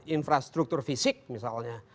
infrastruktur fisik misalnya